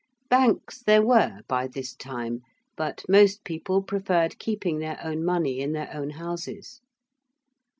Banks there were by this time: but most people preferred keeping their own money in their own houses.